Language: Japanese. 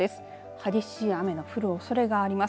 激しい雨の降るおそれがあります。